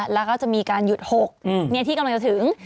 แล้วก็จะมีการหยุด๖ที่กำลังจะถึง